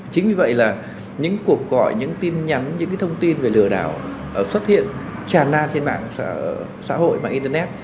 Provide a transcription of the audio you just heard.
chính vì vậy là những cuộc gọi những tin nhắn những thông tin về lừa đảo xuất hiện tràn na trên mạng xã hội mạng internet